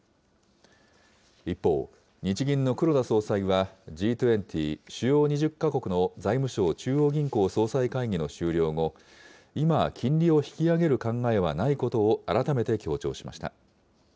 一方、日銀の黒田総裁は、Ｇ２０・主要２０か国の財務相・中央銀行総裁会議の終了後、今、金利を引き上げる考えはないことを改めて強調しました。